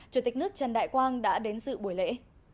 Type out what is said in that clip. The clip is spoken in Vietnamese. chủ tịch nước trần đại quang đã đến dự buổi lễ